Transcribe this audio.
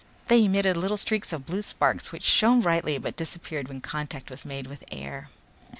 They emitted little streaks of blue sparks which shone brightly but disappeared when contact was made with air.